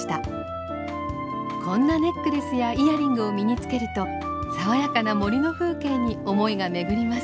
こんなネックレスやイヤリングを身につけると爽やかな森の風景に思いが巡ります。